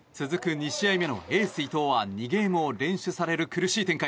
２試合目のエース伊藤は２ゲームを連取される苦しい展開。